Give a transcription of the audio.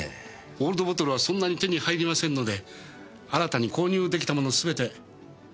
オールドボトルはそんなに手に入りませんので新たに購入できたものすべて「Ｃａｓｋ」に。